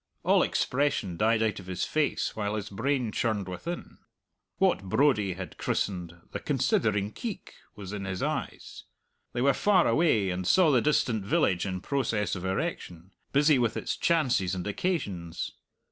All expression died out of his face while his brain churned within. What Brodie had christened "the considering keek" was in his eyes; they were far away, and saw the distant village in process of erection; busy with its chances and occasions.